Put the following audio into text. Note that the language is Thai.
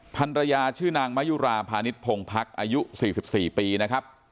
ภรรยาชื่อนางมะยุราพาณิชพงพักอายุ๔๔ปีนะครับ